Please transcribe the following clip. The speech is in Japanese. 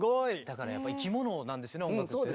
だからやっぱり生き物なんですね音楽ってね。